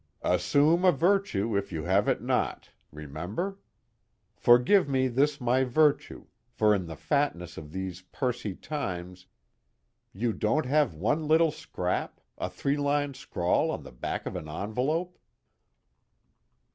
'Assume a virtue if you have it not' remember? 'Forgive me this my virtue, for in the fatness of these pursy times' you don't have one little scrap, a three line scrawl on the back of an envelope?"